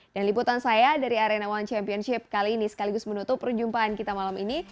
dan liputan saya dari arena one championship kali ini sekaligus menutup perjumpaan kita malam ini